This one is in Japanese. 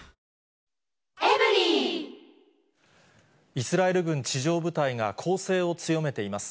イスラエル軍地上部隊が攻勢を強めています。